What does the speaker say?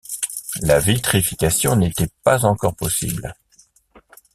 La vitrification n’était pas encore possible.